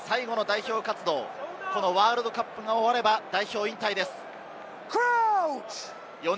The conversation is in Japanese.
ダン・ビガーは今大会、最後の代表活動、ワールドカップが終われば代表引退です。